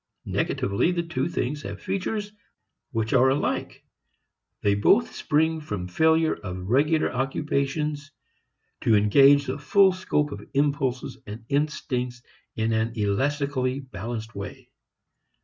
Negatively the two things have features which are alike. They both spring from failure of regular occupations to engage the full scope of impulses and instincts in an elastically balanced way.